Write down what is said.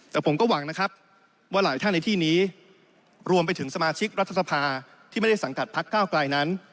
แต่ผมก็หวังนะครับว่าหลายท่านในที่นี้รวมไปถึงสมาชิกรัฐสภาที่ไม่ได้สังกัดพักเก้าไกลนั้น